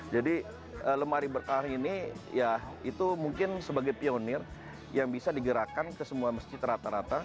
jadi lemari berkah ini ya itu mungkin sebagai pionir yang bisa digerakkan ke semua masjid rata rata